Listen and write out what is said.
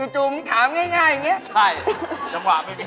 จู๊บถามง่ายอย่างเนี้ย